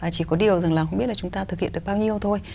chỉ có điều rằng là không biết là chúng ta thực hiện được bao nhiêu thôi